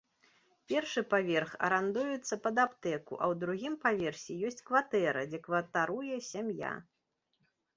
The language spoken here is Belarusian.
Першы паверх арандуецца пад аптэку, а ў другім паверсе есць кватэра, дзе кватаруе сям'я.